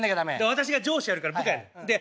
私が上司やるから部下やって。